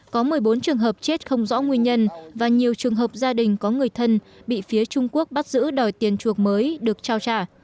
có một mươi bốn trường hợp chết không rõ nguyên nhân và nhiều trường hợp gia đình có người thân bị phía trung quốc bắt giữ đòi tiền chuộc mới được trao trả